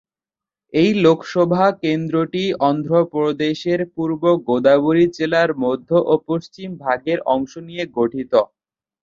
এই লোকসভা কেন্দ্রটি অন্ধ্রপ্রদেশের পূর্ব গোদাবরী জেলার মধ্য ও পশ্চিম ভাগের অংশ নিয়ে গঠিত।